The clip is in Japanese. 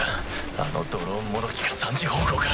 あのドローンもどきが３時方向から。